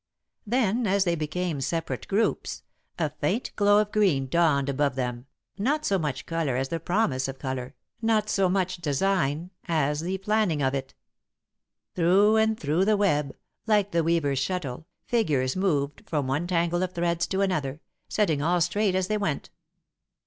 Then, as they became separate groups, a faint glow of green dawned above them, not so much colour as the promise of colour, not so much design as the planning of it. Through and through the web, like the Weaver's shuttle, figures moved from one tangle of threads to another, setting all straight as they went.